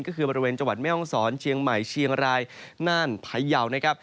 ก็คือบริเวณจังหวัดแม่ห้องศรเชียงใหม่เชียงรายน่านพายาวนะครับ